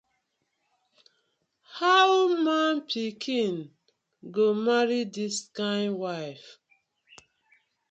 How man pikin go marry dis kind wife.